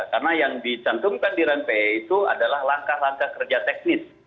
karena yang dicantumkan di ranpe itu adalah langkah langkah kerja teknis